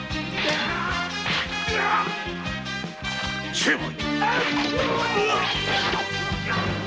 成敗！